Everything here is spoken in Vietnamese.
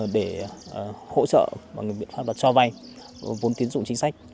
để hỗ trợ bằng biện pháp là cho vay vốn tiến dụng chính sách